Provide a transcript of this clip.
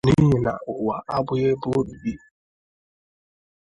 n'ihi na ụwa abụghị ebe obibi.